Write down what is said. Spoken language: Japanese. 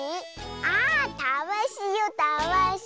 あたわしよたわし。